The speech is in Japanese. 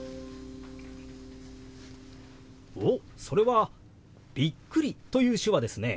おっそれは「びっくり」という手話ですね。